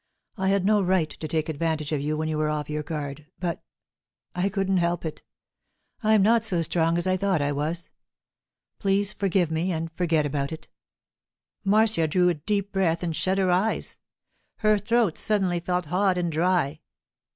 I had no right to take advantage of you when you were off your guard, but—I couldn't help it; I'm not so strong as I thought I was. Please forgive me and forget about it.' Marcia drew a deep breath and shut her eyes. Her throat suddenly felt hot and dry.